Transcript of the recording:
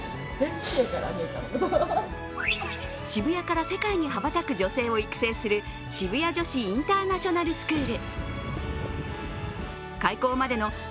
渋谷から世界に羽ばたく女性を育成する渋谷女子インターナショナルスクール。